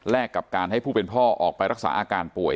กับการให้ผู้เป็นพ่อออกไปรักษาอาการป่วย